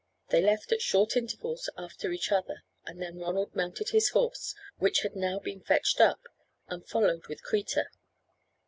They left at short intervals after each other, and then Ronald mounted his horse, which had now been fetched up, and followed with Kreta.